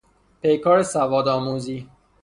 پیکار سواد آموزی